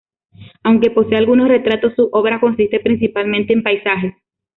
Aunque posee algunos retratos su obra consiste principalmente en paisajes.